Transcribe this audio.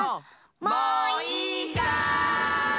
もういいかい？